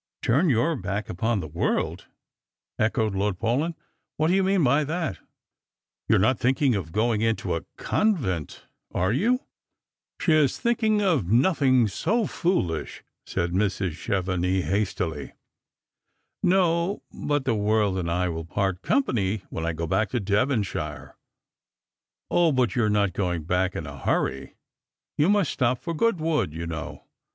"Turn your back upon the world !" echoed Lord Paulyn. " What do you mean by that ? You are not thinking of going into a convent, are you ?"" She is thinking of nothing so fooHsh," said Mrs. Chevenix, hastily. " No ; but the world and I will part company when I go back to Devonshire." " O, but you're not going back in a hurry. You must stop for Goodwood, you know.